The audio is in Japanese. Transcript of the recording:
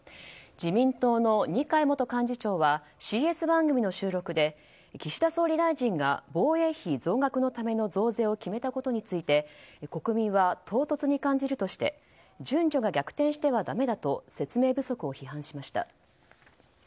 自民党の二階元幹事長はＣＳ番組の収録で岸田総理大臣が防衛費増額のための増税を決めたことについて国民は唐突に感じるとして順序が逆転してはだめだと説明不足を批判しました。